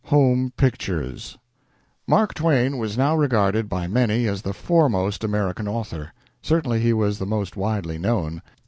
HOME PICTURES Mark Twain was now regarded by many as the foremost American author. Certainly he was the most widely known.